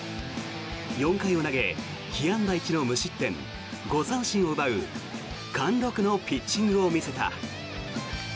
４回を投げ被安打１の無失点、５三振を奪う貫禄のピッチングを見せた。